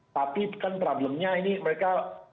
tapi kan problemnya ini mereka